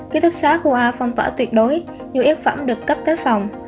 ký thúc xá khu a phong tỏa tuyệt đối nhu yếu phẩm được cấp tới phòng